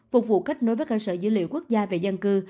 phục vụ kết nối với cơ sở dữ liệu quốc gia về dân cư